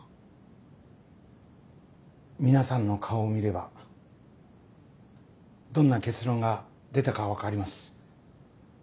皆さんの顔を見ればどんな結論が出たかは分かります。